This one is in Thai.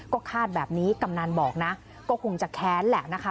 ก็คาดแบบนี้กำนันบอกนะก็คงจะแค้นแหละนะคะ